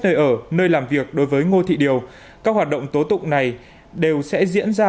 nơi ở nơi làm việc đối với ngô thị điều các hoạt động tố tụng này đều sẽ diễn ra